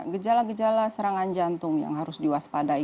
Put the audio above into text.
gejala gejala serangan jantung yang harus diwaspadai